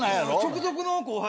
直属の後輩。